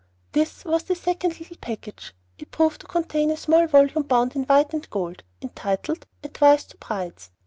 "This" was the second little package. It proved to contain a small volume bound in white and gold, entitled, "Advice to Brides."